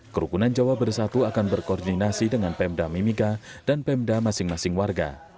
kerukunan jawa bersatu akan berkoordinasi dengan pemda mimika dan pemda masing masing warga